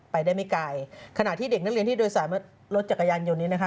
ไปได้ไม่ไกลขณะที่เด็กนักเรียนที่โดยสามารถรถจักรยานยนต์นี้นะคะ